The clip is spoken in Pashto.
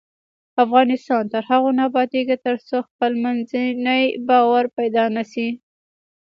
افغانستان تر هغو نه ابادیږي، ترڅو خپلمنځي باور پیدا نشي.